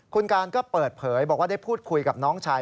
คุณการก็เปิดเผยบอกว่าได้พูดคุยกับน้องชาย